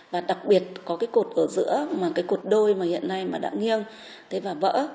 và đặc biệt có cái cột ở giữa mà cái cột đôi mà hiện nay mà đã nghiêng thế và vỡ